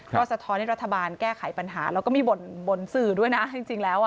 ก็สะท้อนให้รัฐบาลแก้ไขปัญหาแล้วก็มีบ่นสื่อด้วยนะจริงแล้วอ่ะ